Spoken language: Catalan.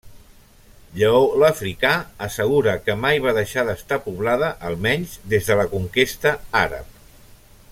Lleó l'Africà assegura que mai va deixar d'estar poblada almenys des de la conquesta àrab.